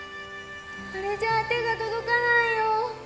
あれじゃあ手がとどかないよ。